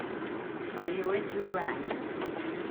Are you into graphs?